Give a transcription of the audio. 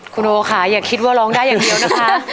คุณโอค่ะอย่าคิดว่าร้องได้อย่างเดียวนะคะ